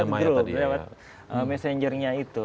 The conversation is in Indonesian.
lewat grup lewat messengernya itu